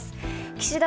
岸田